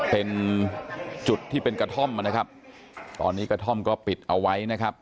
เป็นจุดที่เป็นกระท่อมนะครับตอนนี้กระท่อมก็ปิดเอาไว้นะครับ